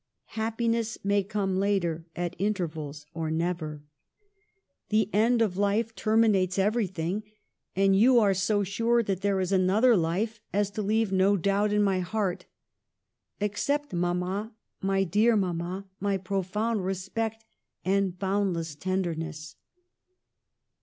Happiness may come later, at intervals or never. The end Digitized by VjOOQIC GIRLHOOD AND MARRIAGE. 33 of life terminates everything, and you are so sure that there is another life as to leave no doubt in my heart Accept, Mamma, my dear Mamma, my profound respect and boundless ten derness."